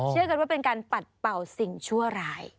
เชื่อกันว่าเป็นการปัดเป่าสิ่งชั่วร้าย